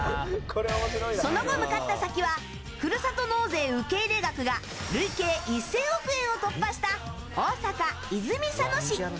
その後、向かった先はふるさと納税受け入れ額が累計１０００億円を突破した大阪・泉佐野市。